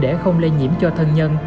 để không lây nhiễm cho thân nhân